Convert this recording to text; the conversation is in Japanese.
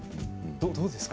どうですか？